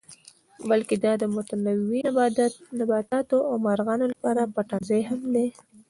بلکې دا د متنوع نباتاتو او مارغانو لپاره پټنځای هم دی.